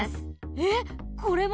えっこれも？